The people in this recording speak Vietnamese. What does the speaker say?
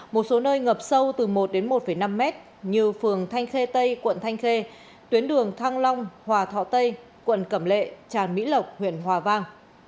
một số nơi ngập sâu từ một đến một năm mét như phường thanh khê tây quận thanh khê tuyến đường thăng long hòa thọ tây quận cẩm lệ tràn mỹ lộc huyện hòa vang